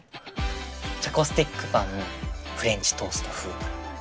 チョコスティックパンフレンチトースト風。